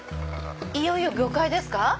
いよいよ魚介ですか？